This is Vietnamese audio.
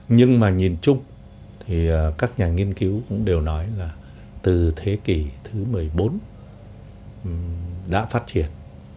nhưng mà nhìn chung thì các nhà nghiên cứu cũng đều nói là từ thế kỷ thứ một mươi bốn đã phát triển